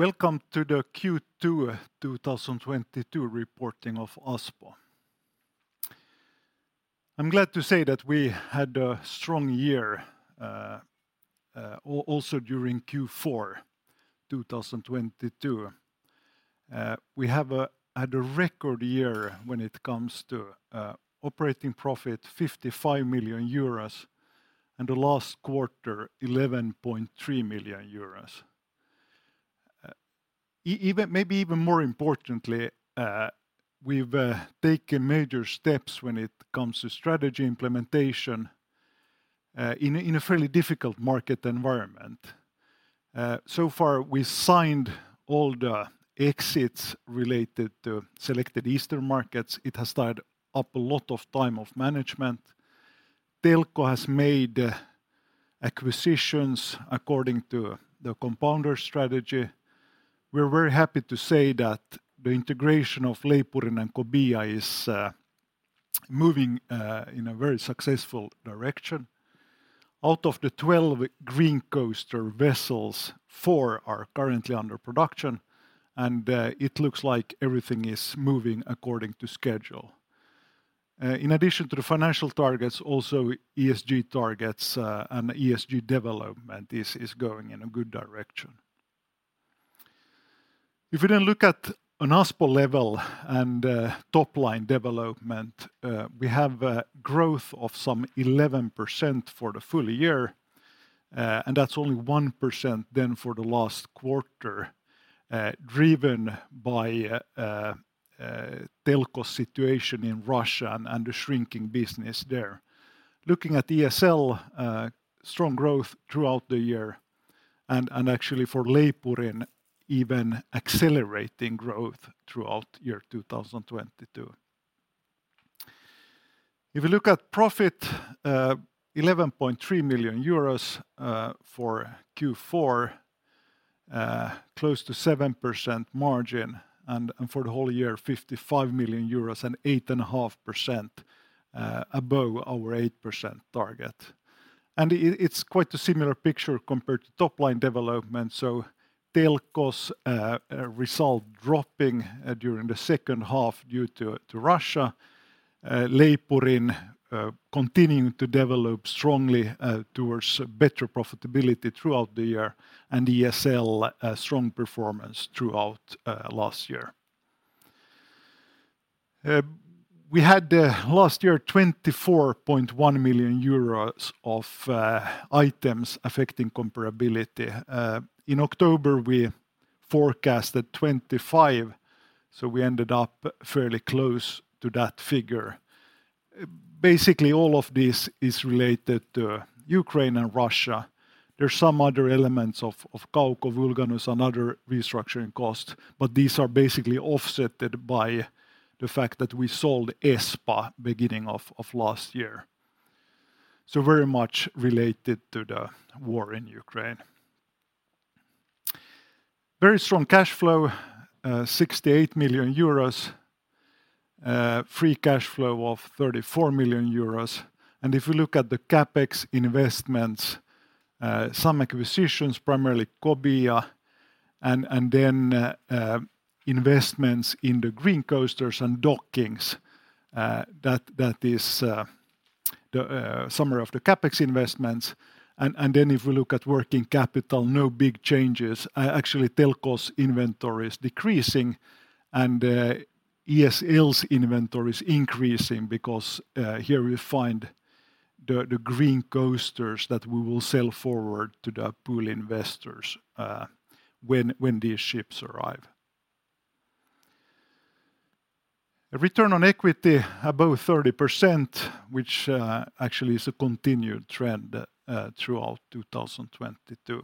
Welcome to the Q2 2022 reporting of Aspo. I'm glad to say that we had a strong year, also during Q4 2022. We had a record year when it comes to operating profit 55 million euros, and the last quarter 11.3 million euros. Maybe even more importantly, we've taken major steps when it comes to strategy implementation in a fairly difficult market environment. So far, we signed all the exits related to selected Eastern markets. It has tied up a lot of time of management. Telko has made acquisitions according to the compounder strategy. We're very happy to say that the integration of Leipurin and Kobia is moving in a very successful direction. Out of the 12 Green Coaster vessels, four are currently under production, and it looks like everything is moving according to schedule. In addition to the financial targets, also ESG targets, and ESG development is going in a good direction. If we then look at on Aspo level and top-line development, we have a growth of some 11% for the full year, and that's only 1% then for the last quarter, driven by Telko's situation in Russia and the shrinking business there. Looking at ESL, strong growth throughout the year and actually for Leipurin even accelerating growth throughout 2022. If you look at profit, 11.3 million euros for Q4, close to 7% margin, and for the whole year 55 million euros and 8.5%, above our 8% target. It's quite a similar picture compared to top-line development, so Telko's result dropping during the second half due to Russia. Leipurin continuing to develop strongly towards better profitability throughout the year, and ESL strong performance throughout last year. We had last year 24.1 million euros of items affecting comparability. In October, we forecasted 25 million, so we ended up fairly close to that figure. Basically, all of this is related to Ukraine and Russia. There are some other elements of Kauko, Vulganus, and other restructuring costs, but these are basically offsetted by the fact that we sold Espa beginning of last year, so very much related to the war in Ukraine. Very strong cash flow, 68 million euros. Free cash flow of 34 million euros. If you look at the CapEx investments, some acquisitions, primarily Kobia, and then investments in the Green Coasters and dockings, that is the summary of the CapEx investments. If we look at working capital, no big changes. Actually, Telko's inventory is decreasing, and ESL's inventory is increasing because here we find the Green Coasters that we will sell forward to the pool investors, when these ships arrive. A return on equity above 30%, which actually is a continued trend throughout 2022.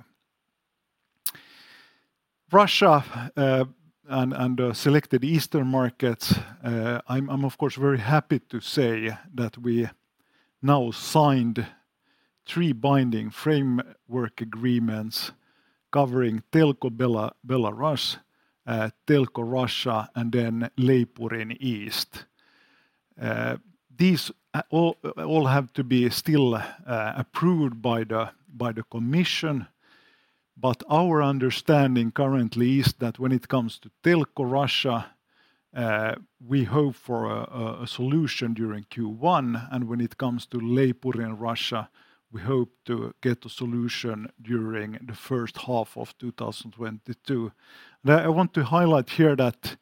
Russia and selected Eastern markets, I'm of course very happy to say that we now signed three binding framework agreements covering Telko Belarus, Telko Russia, and Leipurin East. These all have to be still approved by the commission, but our understanding currently is that when it comes to Telko Russia, we hope for a solution during Q1, and when it comes to Leipurin Russia, we hope to get a solution during the first half of 2022. Now, I want to highlight here that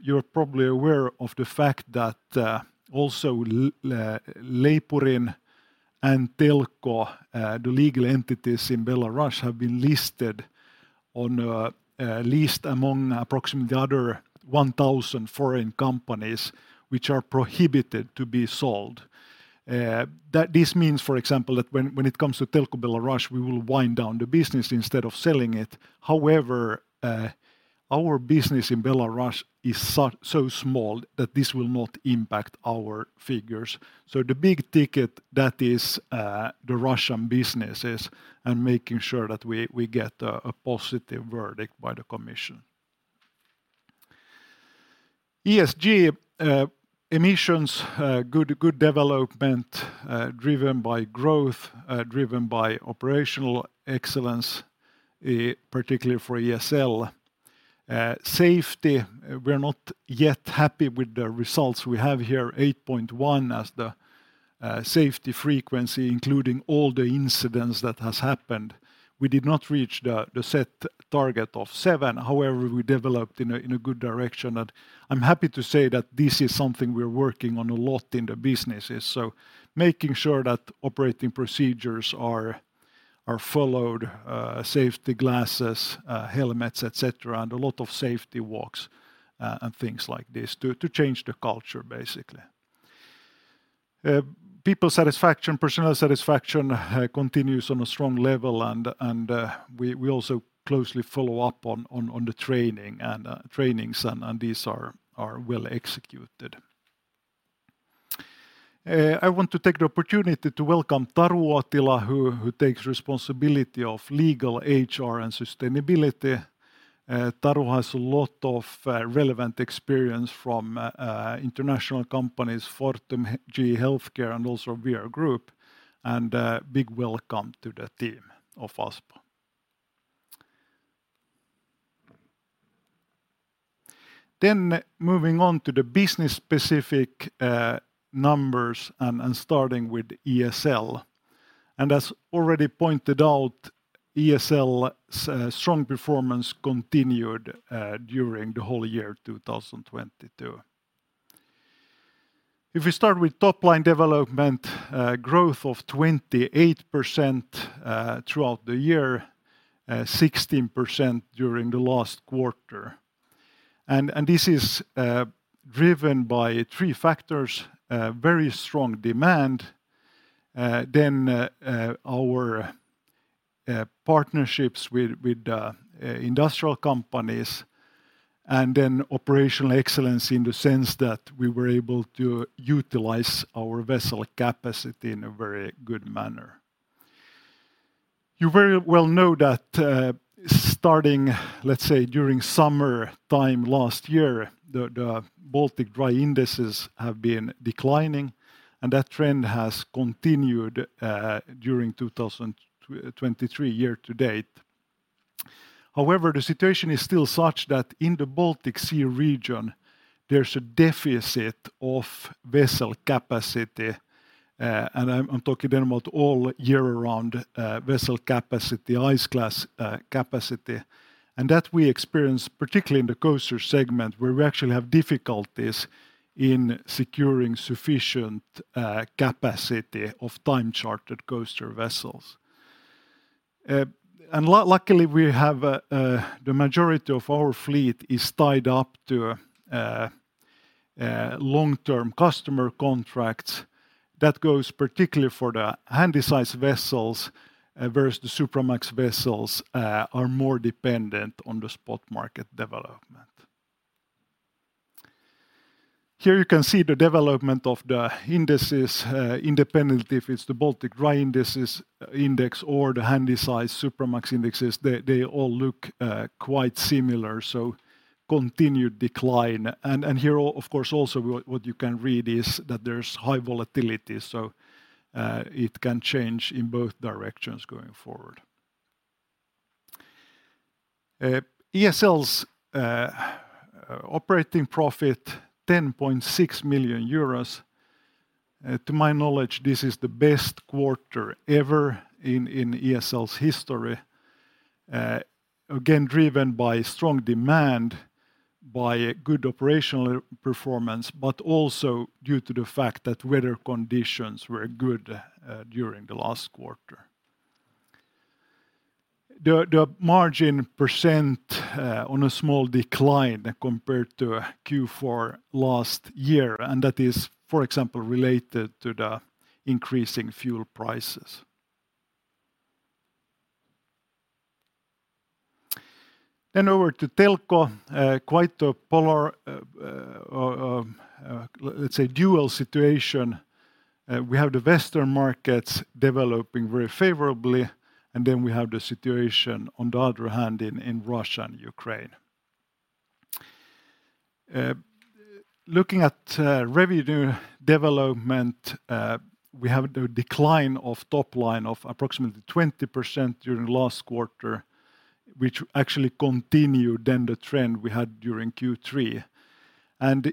you're probably aware of the fact that also Leipurin and Telko, the legal entities in Belarus, have been listed on a list among approximately other 1,000 foreign companies which are prohibited to be sold. This means, for example, that when it comes to Telko Belarus, we will wind down the business instead of selling it. Our business in Belarus is so small that this will not impact our figures. The big ticket, that is, the Russian businesses and making sure that we get a positive verdict by the commission. ESG emissions, good development, driven by growth, driven by operational excellence, particularly for ESL. Safety, we're not yet happy with the results we have here, 8.1 as the safety frequency, including all the incidents that has happened. We did not reach the set target of seven. We developed in a good direction, and I'm happy to say that this is something we're working on a lot in the businesses. Making sure that operating procedures are followed, safety glasses, helmets, et cetera, and a lot of safety walks and things like this to change the culture basically. People satisfaction, personnel satisfaction, continues on a strong level and we also closely follow up on the training and trainings and these are well executed. I want to take the opportunity to welcome Taru Uotila who takes responsibility of Legal, HR and Sustainability. Taru has a lot of relevant experience from international companies, Fortum, GE HealthCare and also VR Group, and big welcome to the team of Aspo. Moving on to the business-specific numbers and starting with ESL. As already pointed out, ESL's strong performance continued during the whole year 2022. If we start with top line development, growth of 28% throughout the year, 16% during the last quarter. This is driven by three factors, very strong demand, then our partnerships with industrial companies and then operational excellence in the sense that we were able to utilize our vessel capacity in a very good manner. You very well know that, starting, let's say, during summertime last year, the Baltic Dry indices have been declining, and that trend has continued during 2023 year to date. However, the situation is still such that in the Baltic Sea region, there's a deficit of vessel capacity, and I'm talking then about all year round vessel capacity, ice class capacity. That we experience particularly in the coaster segment, where we actually have difficulties in securing sufficient capacity of time chartered coaster vessels. Luckily, we have The majority of our fleet is tied up to long-term customer contracts. That goes particularly for the Handysize vessels, whereas the Supramax vessels are more dependent on the spot market development. Here you can see the development of the indices, independent if it's the Baltic Dry Index or the Handysize, Supramax indexes. They all look quite similar, so continued decline. Here of course also what you can read is that there's high volatility, so it can change in both directions going forward. ESL's operating profit 10.6 million euros. To my knowledge, this is the best quarter ever in ESL's history, again, driven by strong demand, by a good operational performance, but also due to the fact that weather conditions were good during the last quarter. The margin %, on a small decline compared to Q4 last year, that is, for example, related to the increasing fuel prices. Over to Telko, quite a polar, let's say dual situation. We have the Western markets developing very favorably, we have the situation on the other hand in Russia and Ukraine. Looking at revenue development, we have the decline of top line of approximately 20% during last quarter, which actually continued than the trend we had during Q3.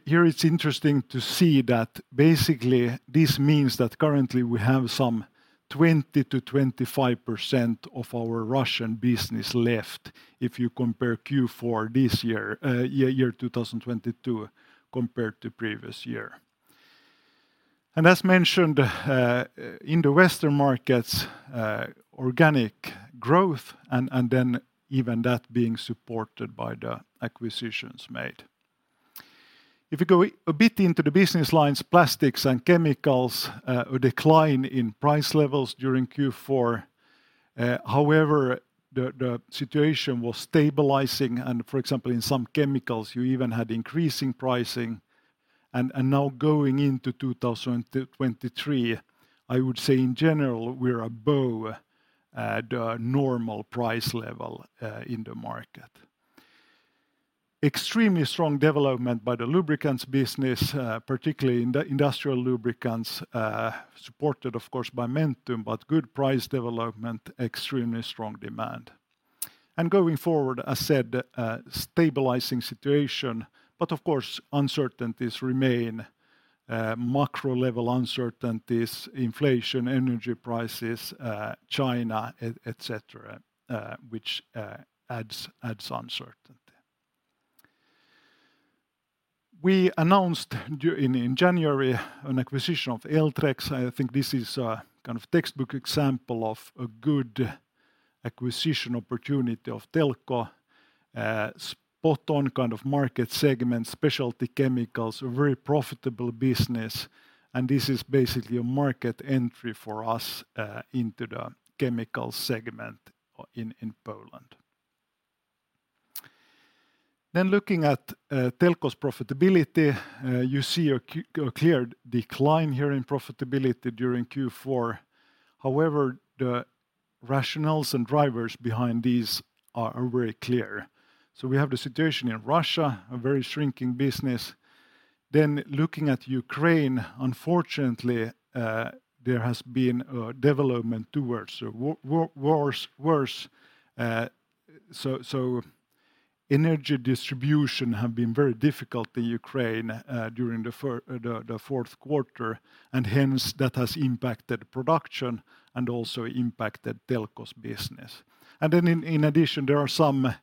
Here it's interesting to see that basically this means that currently we have some 20%-25% of our Russian business left if you compare Q4 this year, 2022 compared to previous year. As mentioned, in the Western markets, organic growth and then even that being supported by the acquisitions made. If you go a bit into the business lines, plastics and chemicals, a decline in price levels during Q4. However, the situation was stabilizing and, for example, in some chemicals, you even had increasing pricing. Now going into 2023, I would say in general, we're above the normal price level in the market. Extremely strong development by the lubricants business, particularly in the industrial lubricants, supported of course by Mentum, but good price development, extremely strong demand. Going forward, I said, stabilizing situation, but of course, uncertainties remain. Macro level uncertainties, inflation, energy prices, China, et cetera, which adds uncertainty. We announced in January an acquisition of Eltrex. I think this is a kind of textbook example of a good acquisition opportunity of Telko. Spot on kind of market segment, specialty chemicals, a very profitable business. This is basically a market entry for us into the chemical segment in Poland. Looking at Telko's profitability, you see a clear decline here in profitability during Q4. However, the rationales and drivers behind these are very clear. We have the situation in Russia, a very shrinking business. Looking at Ukraine, unfortunately, there has been a development towards worse. Energy distribution have been very difficult in Ukraine during the fourth quarter, and hence that has impacted production and also impacted Telko's business. Then in addition, there are some,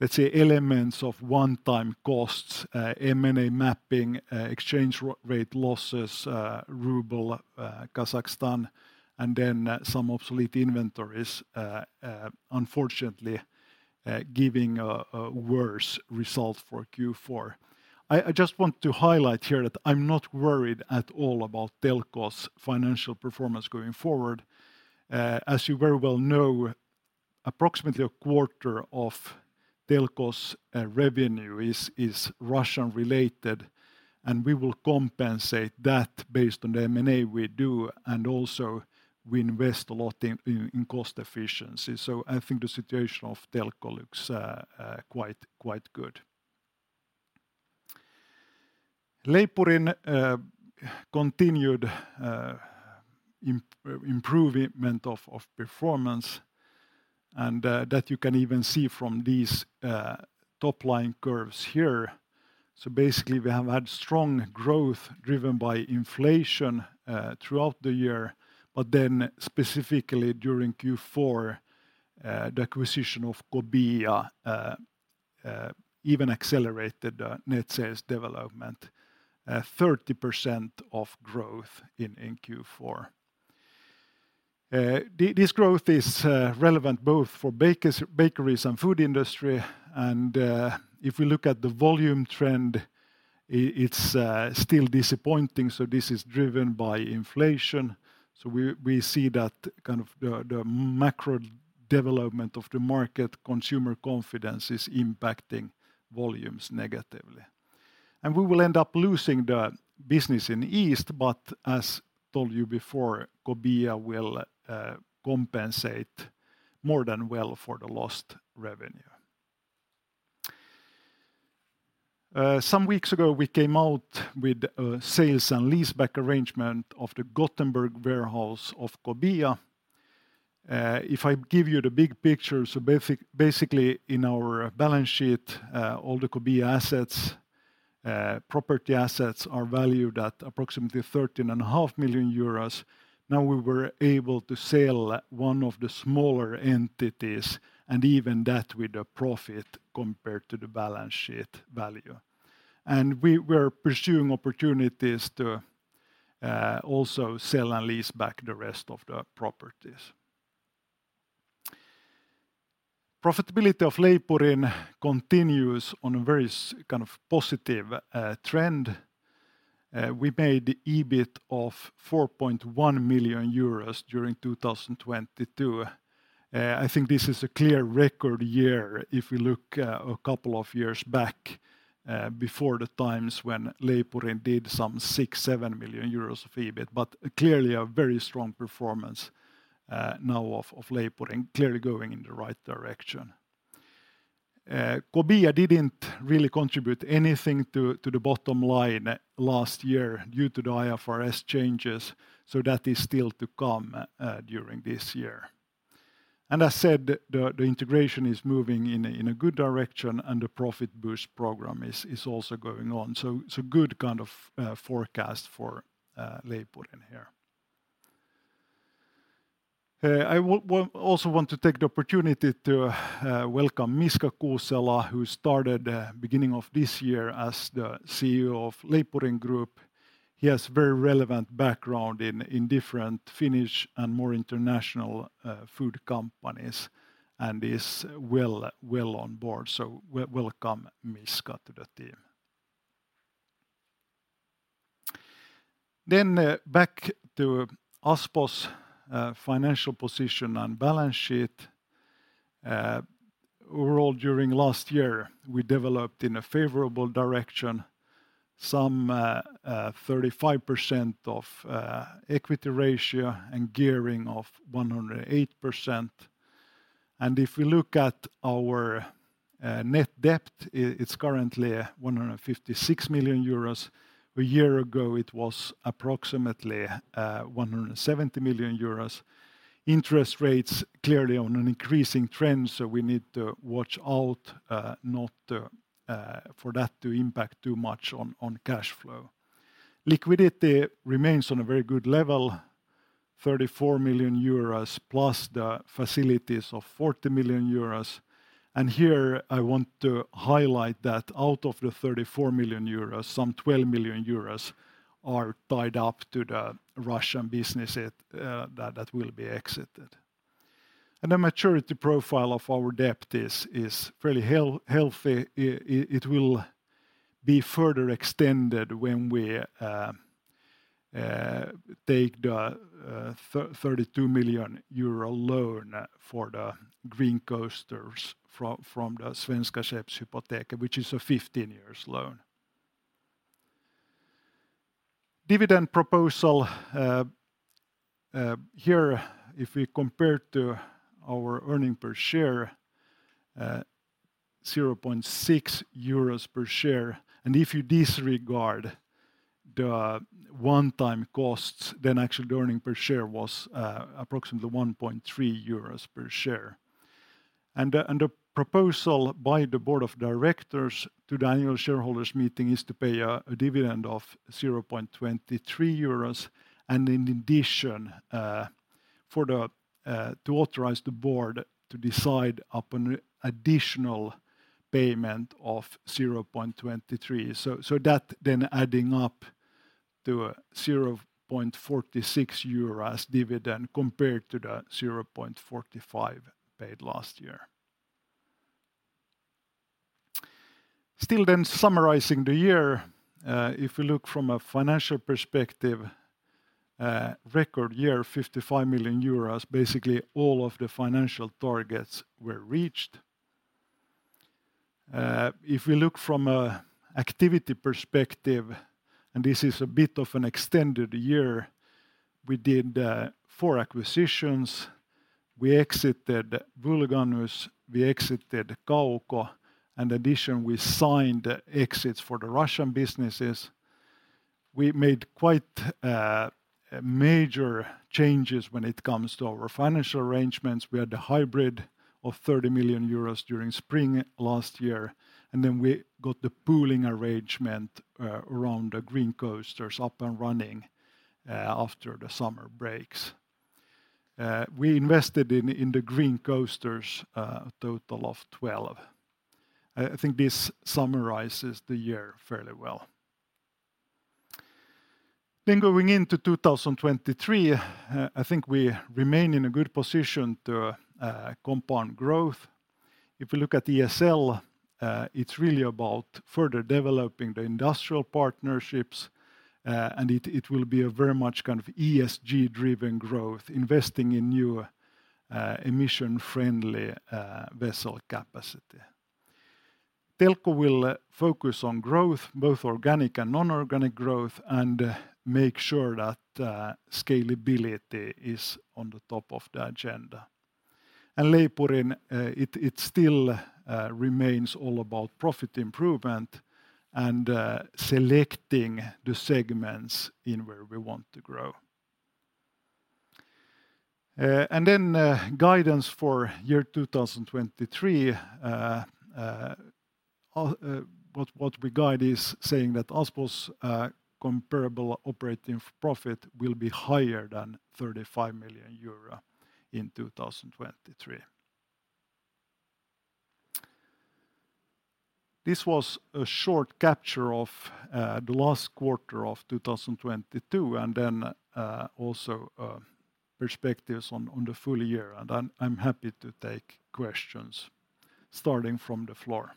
let's say, elements of one-time costs, M&A mapping, exchange rate losses, ruble, Kazakhstan, and some obsolete inventories, unfortunately, giving a worse result for Q4. I just want to highlight here that I'm not worried at all about Telko's financial performance going forward. As you very well know, approximately a quarter of Telko's revenue is Russian-related, and we will compensate that based on the M&A we do, and also we invest a lot in cost efficiency. I think the situation of Telko looks quite good. Leipurin continued improvement of performance, that you can even see from these top-line curves here. Basically, we have had strong growth driven by inflation throughout the year, specifically during Q4, the acquisition of Kobia even accelerated net sales development, 30% of growth in Q4. This growth is relevant both for bakeries and food industry, if we look at the volume trend, it's still disappointing, this is driven by inflation. We see that kind of the macro development of the market consumer confidence is impacting volumes negatively. We will end up losing the business in East, as told you before, Kobia will compensate more than well for the lost revenue. Some weeks ago, we came out with a sales and leaseback arrangement of the Gothenburg warehouse of Kobia. If I give you the big picture, basically, in our balance sheet, all the Kobia assets, property assets are valued at approximately 13 and a half million euros. Now, we were able to sell one of the smaller entities, and even that with a profit compared to the balance sheet value. We're pursuing opportunities to also sell and lease back the rest of the properties. Profitability of Leipurin continues on a very kind of positive trend. We made EBIT of 4.1 million euros during 2022. I think this is a clear record year if we look a couple of years back before the times when Leipurin did some 6-7 million euros of EBIT, but clearly a very strong performance now of Leipurin, clearly going in the right direction. Kobia didn't really contribute anything to the bottom line last year due to the IFRS changes. That is still to come during this year. I said the integration is moving in a good direction. The profit boost program is also going on. Good kind of forecast for Leipurin here. I also want to take the opportunity to welcome Miska Kuusela, who started beginning of this year as the CEO of Leipurin Group. He has very relevant background in different Finnish and more international food companies. Is well on board. Welcome Miska to the team. Back to Aspo's financial position and balance sheet. Overall, during last year, we developed in a favorable direction some 35% of equity ratio and gearing of 108%. If we look at our net debt, it's currently 156 million euros. A year ago, it was approximately 170 million euros. Interest rates clearly on an increasing trend, so we need to watch out not to for that to impact too much on cash flow. Liquidity remains on a very good level, 34 million euros plus the facilities of 40 million euros. Here I want to highlight that out of the 34 million euros, some 12 million euros are tied up to the Russian business it that will be exited. The maturity profile of our debt is fairly healthy. It will be further extended when we take the 32 million euro loan for the Green Coasters from the Svenska Skeppshypotek, which is a 15 years loan. Dividend proposal. Here if we compare to our earning per share, 0.6 euros per share, if you disregard the one-time costs, actually the earning per share was approximately 1.3 euros per share. The proposal by the board of directors to the annual shareholders meeting is to pay a dividend of 0.23 euros and in addition, to authorize the board to decide upon a additional payment of 0.23. That adding up to 0.46 euro dividend compared to the 0.45 paid last year. Still then summarizing the year, if we look from a financial perspective, record year 55 million euros, basically all of the financial targets were reached. If we look from a activity perspective, and this is a bit of an extended year, we did four acquisitions. We exited Vulganus, we exited Kauko, and addition, we signed exits for the Russian businesses. We made quite major changes when it comes to our financial arrangements. We had the hybrid of 30 million euros during spring last year, we got the pooling arrangement around the Green Coasters up and running after the summer breaks. We invested in the Green Coasters, a total of 12. I think this summarizes the year fairly well. Going into 2023, I think we remain in a good position to compound growth. If we look at ESL, it's really about further developing the industrial partnerships. It will be a very much kind of ESG-driven growth, investing in new, emission-friendly, vessel capacity. Telko will focus on growth, both organic and non-organic growth, and make sure that scalability is on the top of the agenda. Leipurin, it still remains all about profit improvement and selecting the segments in where we want to grow. Guidance for year 2023. What we guide is saying that Aspo's comparable operating profit will be higher than 35 million euro in 2023. This was a short capture of the last quarter of 2022, and then also perspectives on the full year. I'm happy to take questions starting from the floor.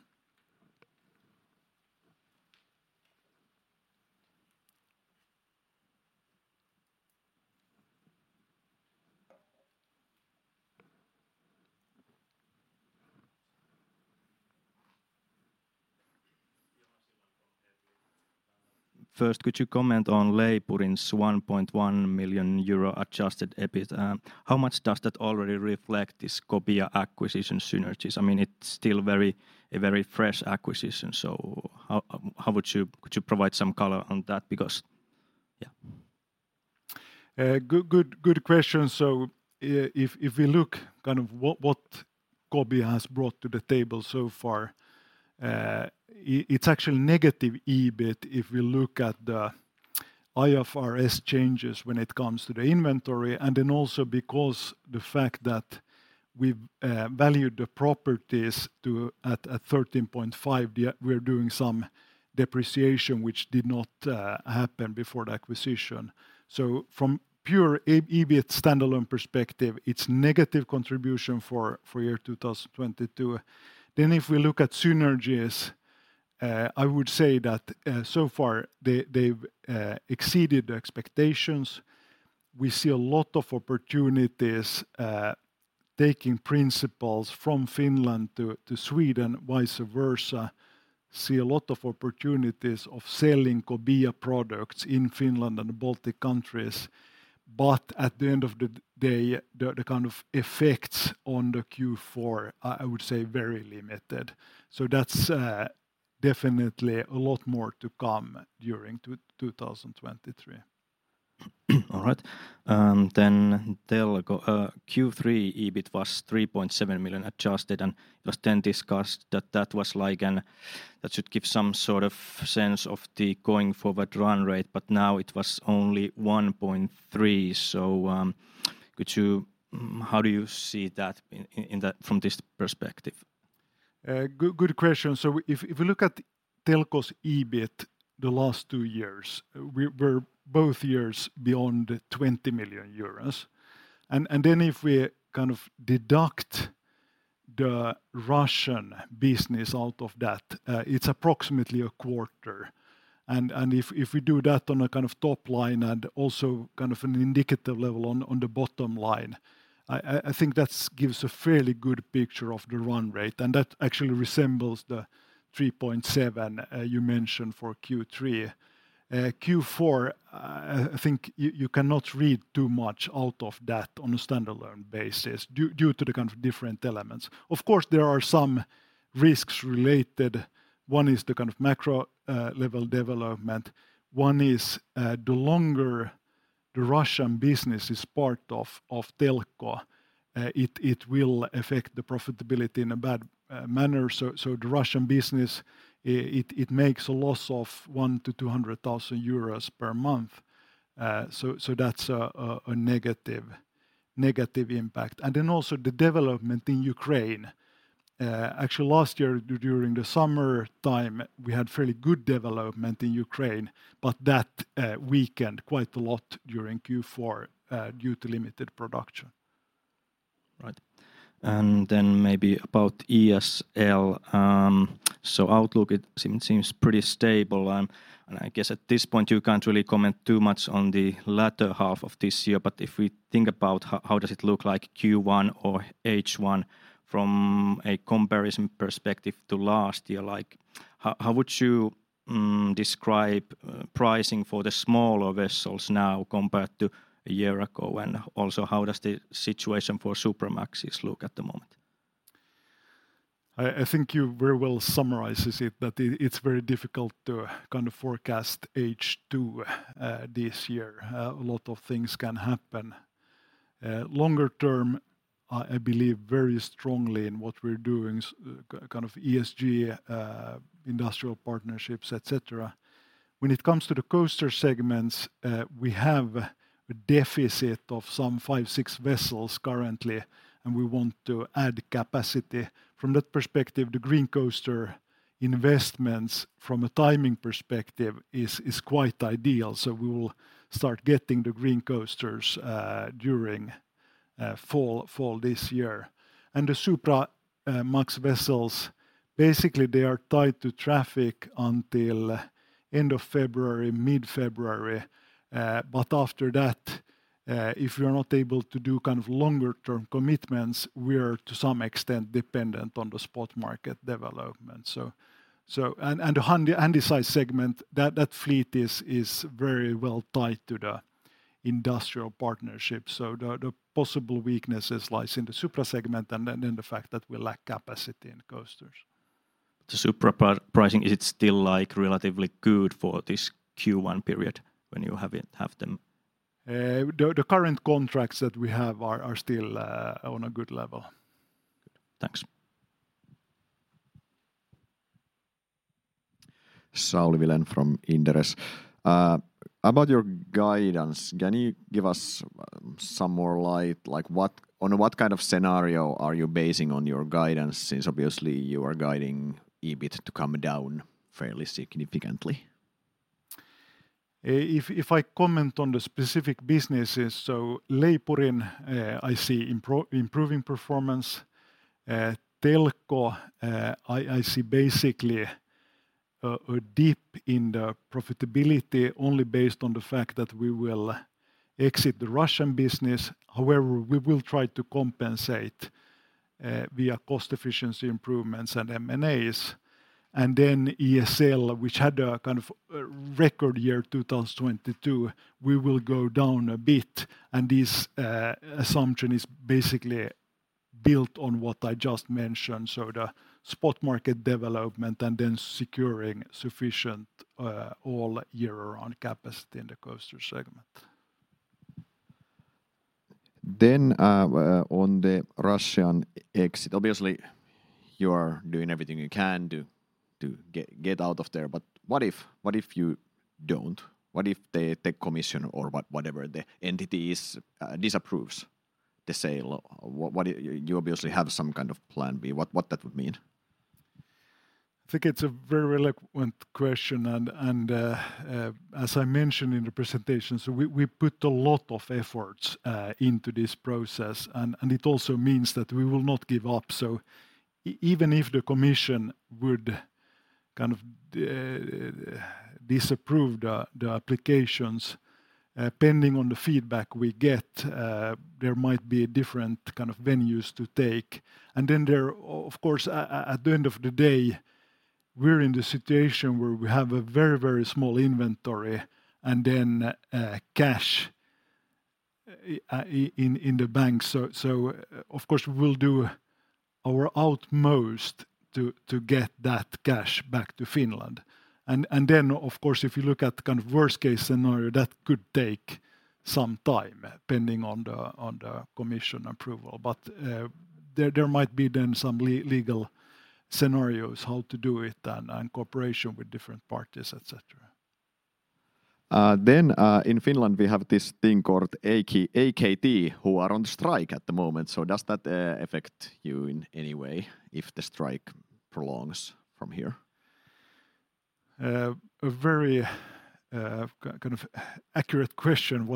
First, could you comment on Leipurin's 1.1 million euro adjusted EBIT? How much does that already reflect this Kobia acquisition synergies? I mean, it's still a very fresh acquisition, so could you provide some color on that? Because... Yeah. Good question. If we look kind of what Kobia has brought to the table so far, it's actually negative EBIT if we look at the IFRS changes when it comes to the inventory, and then also because the fact that we've valued the properties to at 13.5. We're doing some depreciation which did not happen before the acquisition. From pure EBIT standalone perspective, it's negative contribution for year 2022. If we look at synergies, I would say that so far they've exceeded expectations. We see a lot of opportunities taking principles from Finland to Sweden, vice versa. See a lot of opportunities of selling Kobia products in Finland and the Baltic countries. At the end of the day, the kind of effects on the Q4, I would say very limited. That's definitely a lot more to come during 2023. All right. Telko Q3 EBIT was 3.7 million adjusted, it was then discussed that that was like That should give some sort of sense of the going forward run rate, now it was only 1.3. How do you see that in that from this perspective? Good question. If we look at Telko's EBIT the last two years, were both years beyond 20 million euros. If we kind of deduct the Russian business out of that, it's approximately a quarter. If we do that on a kind of top line and also kind of an indicative level on the bottom line, I think that's gives a fairly good picture of the run rate, and that actually resembles the 3.7 you mentioned for Q3. Q4, I think you cannot read too much out of that on a standalone basis due to the kind of different elements. Of course, there are some risks related. One is the kind of macro level development. One is, the longer the Russian business is part of Telko, it will affect the profitability in a bad manner. The Russian business, it makes a loss of 100,000-200,000 euros per month. That's a negative impact. Also the development in Ukraine. Actually last year during the summertime, we had fairly good development in Ukraine, but that weakened quite a lot during Q4 due to limited production. Right. Maybe about ESL. Outlook it seems pretty stable. I guess at this point you can't really comment too much on the latter half of this year. If we think about how does it look like Q1 or H1 from a comparison perspective to last year, like how would you describe pricing for the smaller vessels now compared to a year ago? Also how does the situation for Supramax look at the moment? I think you very well summarize it, that it's very difficult to kind of forecast H2 this year. A lot of things can happen. Longer term, I believe very strongly in what we're doing, kind of ESG, industrial partnerships, et cetera. When it comes to the coaster segments, we have a deficit of some five, six vessels currently, and we want to add capacity. From that perspective, the Green Coaster investments from a timing perspective is quite ideal, we will start getting the Green Coasters during fall this year. The Supramax vessels, basically they are tied to traffic until end of February, mid-February. After that, if we are not able to do kind of longer term commitments, we are to some extent dependent on the spot market development. So. The Handysize segment, that fleet is very well tied to the industrial partnership. The possible weaknesses lies in the Supra segment and the fact that we lack capacity in the coasters. The Supra pricing, is it still like relatively good for this Q1 period when you have them? The current contracts that we have are still on a good level. Thanks. Sauli Vilén from Inderes. About your guidance, can you give us some more light? Like on what kind of scenario are you basing on your guidance, since obviously you are guiding EBIT to come down fairly significantly? If I comment on the specific businesses, Leipurin, I see improving performance. Telko, I see basically a dip in the profitability only based on the fact that we will exit the Russian business. However, we will try to compensate via cost efficiency improvements and M&As. ESL, which had a kind of a record year 2022, we will go down a bit, and this assumption is basically built on what I just mentioned, so the spot market development and then securing sufficient all year round capacity in the coaster segment. On the Russian e-exit. Obviously, you are doing everything you can to get out of there, what if you don't? What if the commission or whatever the entity is disapproves the sale? You obviously have some kind of plan B. What that would mean? I think it's a very relevant question and, as I mentioned in the presentation, we put a lot of efforts into this process and it also means that we will not give up. Even if the commission would kind of disapprove the applications pending on the feedback we get, there might be different kind of venues to take. There of course, at the end of the day, we're in the situation where we have a very small inventory and then cash in the bank. Of course we'll do our utmost to get that cash back to Finland. Then of course, if you look at kind of worst case scenario, that could take some time pending on the commission approval. There might be then some legal scenarios how to do it and cooperation with different parties, et cetera. In Finland we have this thing called AKT who are on strike at the moment. Does that affect you in any way if the strike prolongs from here? A very kind of accurate question.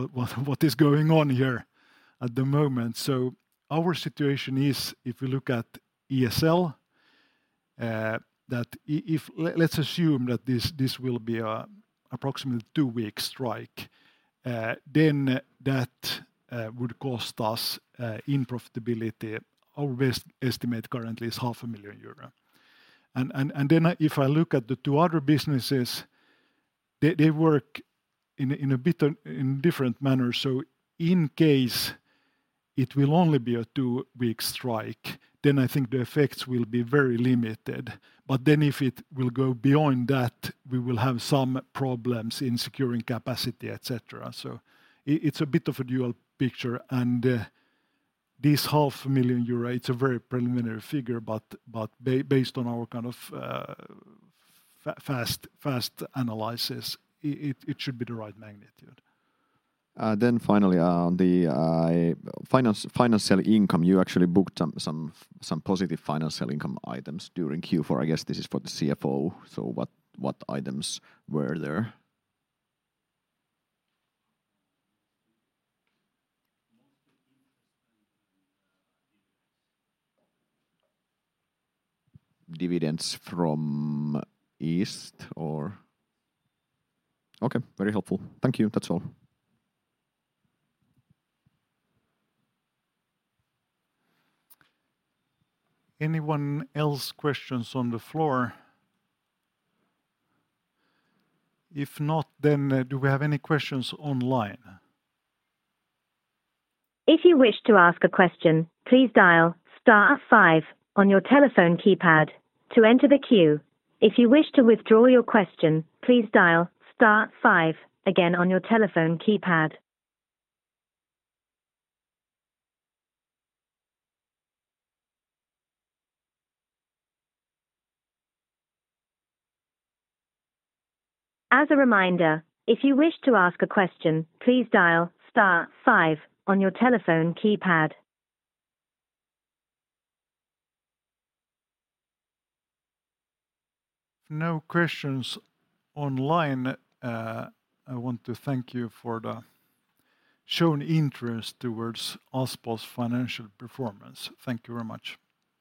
What is going on here at the moment? Our situation is if we look at ESL, let's assume that this will be a approximately two week strike, then that would cost us in profitability. Our best estimate currently is half a million EUR. If I look at the two other businesses, they work in a bit, in different manner. In case it will only be a two week strike, I think the effects will be very limited. If it will go beyond that, we will have some problems in securing capacity, et cetera. It's a bit of a dual picture, and, this half a million EUR, it's a very preliminary figure, but based on our kind of, fast analysis, it should be the right magnitude. Finally, on the financial income, you actually booked some positive financial income items during Q4. I guess this is for the CFO. What items were there? Mostly interest and then, dividends. Dividends from East or? Okay, very helpful. Thank you. That's all. Anyone else questions on the floor? If not, then do we have any questions online? If you wish to ask a question, please dial star five on your telephone keypad to enter the queue. If you wish to withdraw your question, please dial star five again on your telephone keypad. As a reminder, if you wish to ask a question, please dial star five on your telephone keypad. No questions online. I want to thank you for the shown interest towards Aspo's financial performance. Thank you very much.